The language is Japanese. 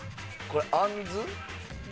これあんず？